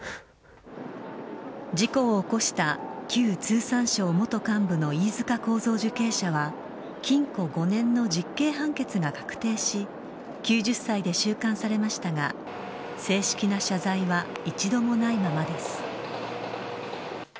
事故を起こした旧通産省元幹部の飯塚幸三受刑者は、禁錮５年の実刑判決が確定し、９０歳で収監されましたが、正式な謝罪は一度もないままです。